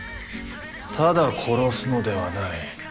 ただ殺すのではない。